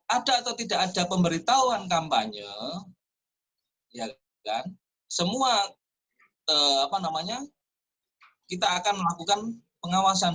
ada atau tidak ada pemberitahuan kampanye semua apa namanya kita akan melakukan pengawasan